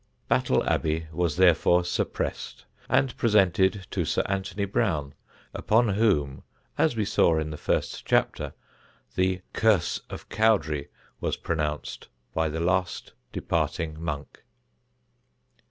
Battle Abbey was therefore suppressed and presented to Sir Anthony Browne, upon whom, as we saw in the first chapter, the "Curse of Cowdray" was pronounced by the last departing monk.